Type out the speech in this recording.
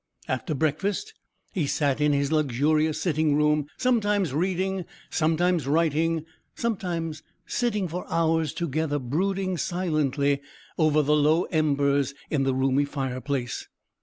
After breakfast he sat in his luxurious sitting room, sometimes reading, sometimes writing, sometimes sitting for hours together brooding silently over the low embers in the roomy fireplace.